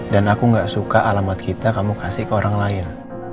dan aku gak suka alamat kita kamu kasih ke orang lain